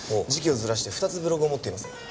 時期をずらして２つブログを持っています。